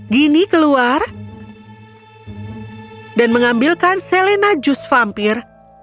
gini keluar dan mengambilkan selena jus vampir